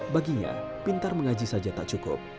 baginya pintar mengaji saja tak cukup